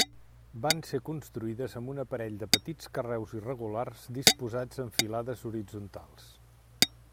Van ser construïdes amb un aparell de petits carreus irregulars disposats en filades horitzontals.